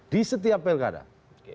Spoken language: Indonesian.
di setiap pergadang